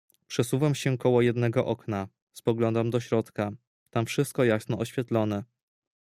"Przesuwam się koło jednego okna; spoglądam do środka: tam wszystko jasno oświetlone."